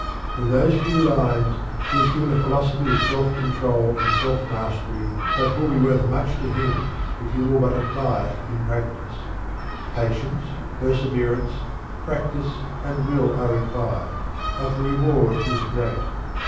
In those few lines he is given a philosophy of self control and self mastery that will be worth much to him if he will but apply it in practice. Patience, perseverance, practice, and will are required, but the reward is great.